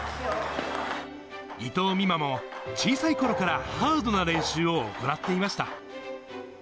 伊藤美誠も、小さいころからハードな練習を行っていました。